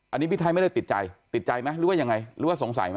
อันนี้พี่ไทยไม่ได้ติดใจติดใจไหมหรือว่ายังไงหรือว่าสงสัยไหม